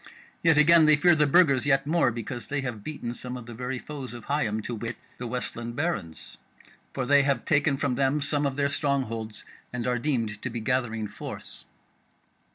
Yet again they fear the Burgers yet more, because they have beaten some of the very foes of Higham, to wit, the Westland Barons; for they have taken from them some of their strong holds, and are deemed to be gathering force."